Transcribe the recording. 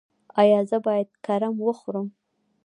ایا زه باید کرم وخورم؟